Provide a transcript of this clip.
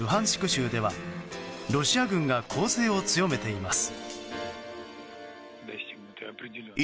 州ではロシア軍が攻勢を強めています。